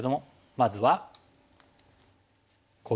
まずは。